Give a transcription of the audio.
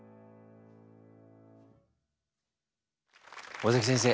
尾崎先生